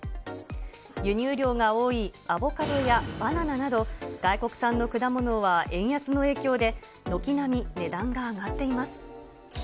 輸入量が多いアボカドやバナナなど、外国産の果物は円安の影響で軒並み値段が上がっています。